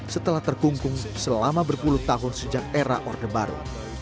setelah terkungkung selama berpuluh tahun sejak era orde baru